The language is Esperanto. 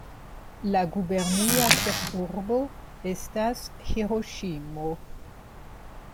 La gubernia ĉefurbo estas Hiroŝimo.